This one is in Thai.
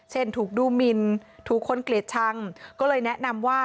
ถูกดูมินถูกคนเกลียดชังก็เลยแนะนำว่า